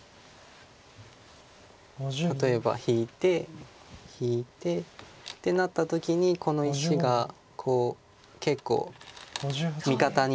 例えば引いて引いて。ってなった時にこの石が結構味方になって。